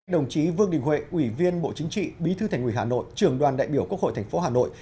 đồng chí vương đình huệ ủy viên bộ chính trị bí thư thành ủy hà nội trường đoàn đại biểu quốc hội tp hà nội